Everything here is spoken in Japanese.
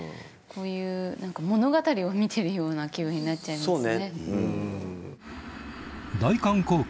物語を見てるような気分になっちゃいますね。